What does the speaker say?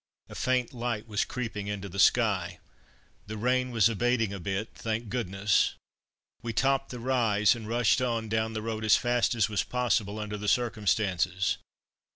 A faint light was creeping into the sky. The rain was abating a bit, thank goodness! We topped the rise, and rushed on down the road as fast as was possible under the circumstances.